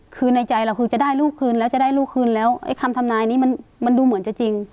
คือในใจเราคือจะได้ลูกคืนแล้วจะได้ลูกคืนแล้วไอ้คำทำนายนี้มันดูเหมือนจะจริง